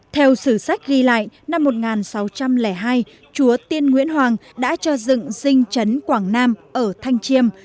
theo sử sách ghi lại năm một nghìn sáu trăm linh hai chúa tiên nguyễn hoàng đã cho dựng dinh chấn quảng nam ở thanh chiêm